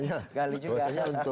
nanti pak sofyan pasti akan diketahui